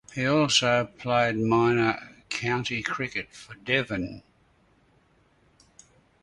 He also played minor county cricket for Devon.